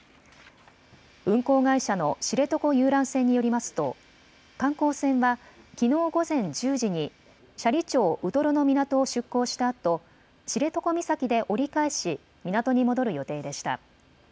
運航会社の知床遊覧船によりますと観光船はきのう午前１０時に斜里町ウトロの港を出港したあと知床岬で折り返し港に戻る予定でした。